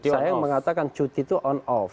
saya yang mengatakan cuti itu on off